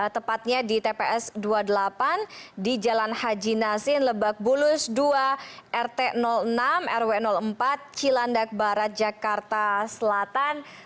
tepatnya di tps dua puluh delapan di jalan haji nasin lebak bulus dua rt enam rw empat cilandak barat jakarta selatan